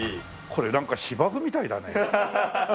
これなんか芝生みたいだね。